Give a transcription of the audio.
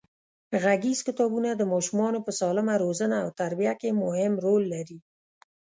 غږیز کتابونه د ماشومانو په سالمه روزنه او تربیه کې مهم رول لري.